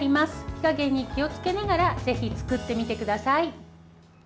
火加減に気をつけながらぜひ作ってみてください。